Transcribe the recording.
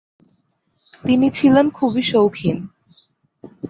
তিনি ছিলেন খুবই শৌখিন।